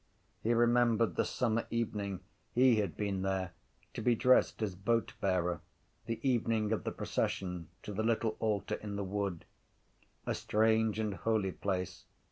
He remembered the summer evening he had been there to be dressed as boatbearer, the evening of the procession to the little altar in the wood. A strange and holy place.